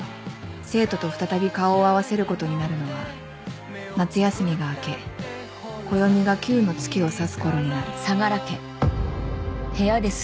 生徒と再び顔を合わせることになるのは夏休みが明け暦が「９」の月を指す頃になる